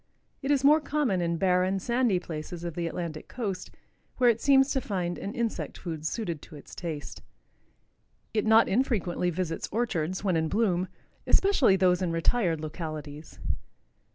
It is more common in barren, sandy places of the Atlantic coast, where it seems to find an insect food suited to its taste. It not infrequently visits orchards, when in bloom, especially those in retired localities.